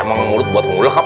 ya emang urut buat mulut pak